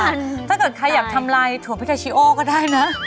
ใช่แล้วค่ะถ้าเกิดใครอยากทำไรถั่วพิทัชโชก็ได้นะ